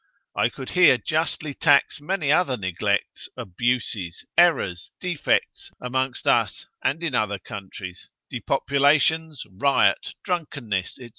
I could here justly tax many other neglects, abuses, errors, defects among us, and in other countries, depopulations, riot, drunkenness, &c.